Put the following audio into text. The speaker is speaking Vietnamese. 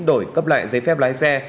đổi cấp lại giấy phép lái xe